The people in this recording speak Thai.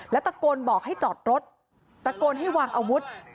แล้วตะโกนบอกให้จอดรถตะโกนให้วางอาวุธ